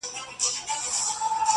• چي دا کلونه راته وايي نن سبا سمېږي -